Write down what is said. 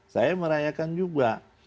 saya merayakan juga